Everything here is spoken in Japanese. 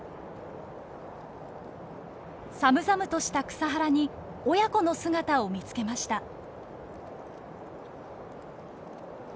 寒々とした草原に親子の姿を見つけました。